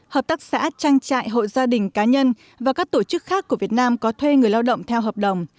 hợp tác xã trang trại hộ gia đình cá nhân và các tổ chức khác của việt nam có thuê người lao động theo hợp đồng